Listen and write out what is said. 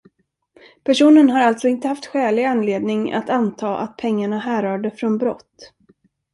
Personen har alltså inte haft skälig anledning att anta att pengarna härrörde från brott.